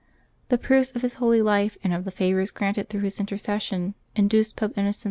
The proofs of his holy life and of the favors granted through his intercession induced Pope Innocent XI.